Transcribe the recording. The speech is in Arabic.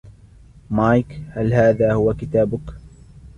مايك ، هل هذا هو كتابك ؟